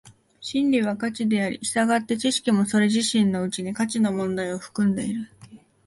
真理は価値であり、従って知識もそれ自身のうちに価値の問題を含んでいる。